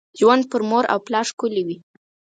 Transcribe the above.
ژوند پر مور او پلار ښکلي وي .